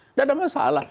tidak ada masalah